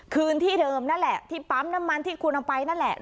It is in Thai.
คืนที่เดิมนั่นแหละที่ปั๊มน้ำมันที่คุณเอาไปนั่นแหละ